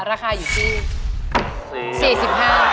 ราคาอยู่ที่